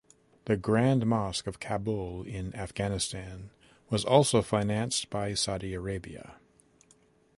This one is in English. The Grand Mosque of Kabul in Afghanistan was also financed by Saudi Arabia.